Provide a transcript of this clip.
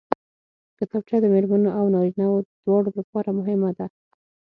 کتابچه د مېرمنو او نارینوو دواړو لپاره مهمه ده